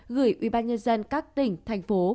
gửi ubnd các tỉnh thành phố